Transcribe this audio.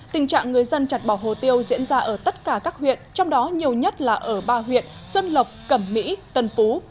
tình trạng người dân chặt bỏ hồ tiêu diễn ra ở tất cả các huyện trong đó nhiều nhất là ở ba huyện xuân lộc cẩm mỹ tân phú